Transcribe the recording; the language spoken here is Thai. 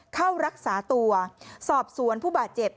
เข้ารักษาตัวสอบสวนผู้บาดเจ็บ